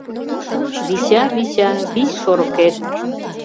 Вича, вича, вич шорыкет